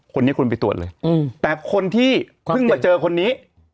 คนนี้คุณไปตรวจเลยแต่คนที่เพิ่งมาเจอคนนี้